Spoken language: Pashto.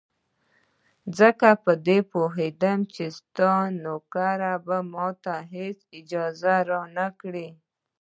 ځکه په دې پوهېدم چې ستا نوکر به ماته هېڅکله اجازه را نه کړي.